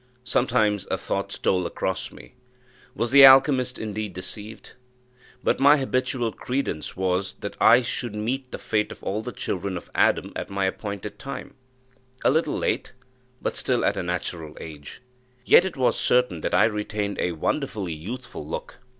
Sometimes a thought stole across me Was the alchymist indeed deceived? But my habitual credence was, that I should meet the fate of all the children of Adam at my appointed time a little late, but still at a natural age. Yet it was certain that I retained a wonderfully youthful look.